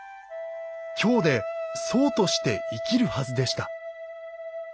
京で僧として生きるはずでした。